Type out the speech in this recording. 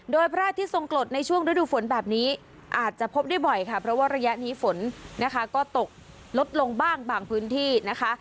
โดยพระอาทิตย์ทรงกฎในช่วงฤดูฝนแบบนี้อาจจะพบได้บ่อยค่ะเพราะว่าระยะนี้ฝนนะคะก็ตกลดลงบ้างบางพื้นที่นะคะ